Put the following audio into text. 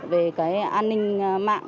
về cái an ninh mạng